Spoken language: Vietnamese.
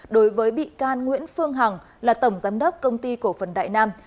đối với bị can nguyễn phương hằng là tổng giám đốc công ty cổ phần đại nam